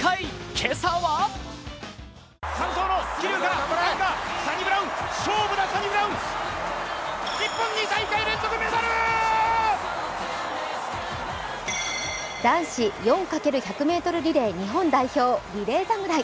今朝は男子４×４００ｍリレー日本代表リレー侍。